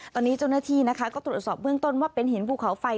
ตอนนี้เจ้าหน้าที่นะคะก็ตรวจสอบเบื้องต้นว่าเป็นหินภูเขาไฟ